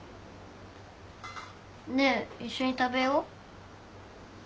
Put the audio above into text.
ねえ一緒に食べよ。